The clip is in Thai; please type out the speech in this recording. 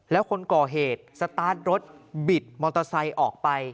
แล้วคนก่อเหตุสตาร์ทรถบิดมอเตอร์ไซค์ออกไป